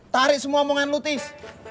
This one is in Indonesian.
tarik semua omongan lo tis